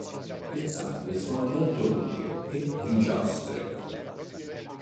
Le zampe sono molto lunghe e grigiastre.